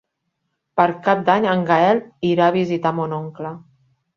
Per Cap d'Any en Gaël irà a visitar mon oncle.